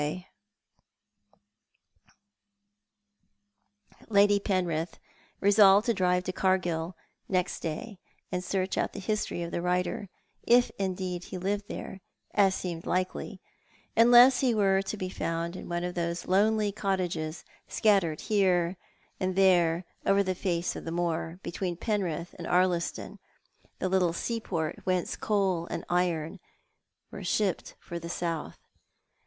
Lady Penrith resolved to drive to Cargill next day and search out the history of the writer, if indeed he lived there, as seemed likely; unless ho were to be found in one of those lonely cottages scattered here and there over the face of the moor, between Penrith and Ardliston, the little seaport whence coal and iron were shipped for the south.